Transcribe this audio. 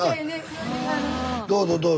どうぞどうぞ。